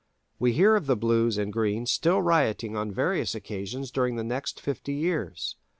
We hear of the Blues and Greens still rioting on various occasions during the next fifty years.